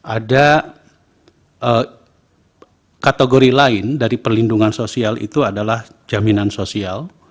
ada kategori lain dari perlindungan sosial itu adalah jaminan sosial